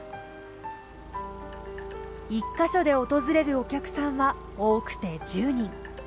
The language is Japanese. １カ所で訪れるお客さんは多くて１０人。